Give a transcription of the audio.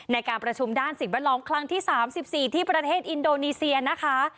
ในการประชุมด้านศิษย์บรรลองครั้งที่สามสิบสี่ที่ประเทศอินโดนีเซียนะคะ